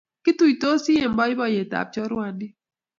Kituitosi eng boiboyet ab choruandit